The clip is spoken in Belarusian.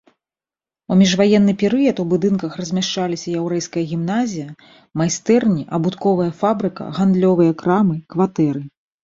У міжваенны перыяд у будынках размяшчаліся яўрэйская гімназія, майстэрні, абутковая фабрыка, гандлёвыя крамы, кватэры.